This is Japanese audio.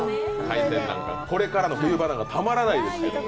これからの冬場なんかたまらないですよね。